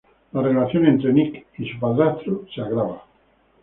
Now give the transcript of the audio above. La relación entre Nick y su padrastro se agrava.